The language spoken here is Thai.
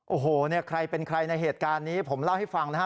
โอ้โหเนี่ยใครเป็นใครในเหตุการณ์นี้ผมเล่าให้ฟังนะฮะ